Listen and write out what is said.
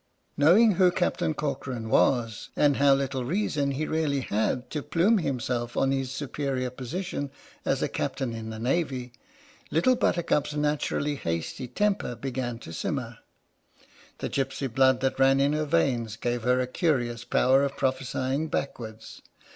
Knowing who Captain Corcoran was, and how little reason he really had to plume himself on his superior position as a Captain in the Navy, Little Buttercup's naturally hasty temper began to sim 83 H.M.S. "PINAFORE" mer. The gipsy blood that ran in her veins gave her a curious power of prophesying backwards.